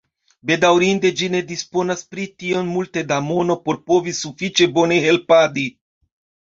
Bedaŭrinde, ĝi ne disponas pri tiom multe da mono por povi sufiĉe bone helpadi.